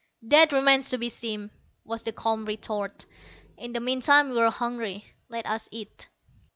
"That remains to be seen," was the calm retort. "In the meantime, we're hungry. Let us eat."